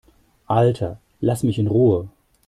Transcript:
Alter, lass mich in Ruhe!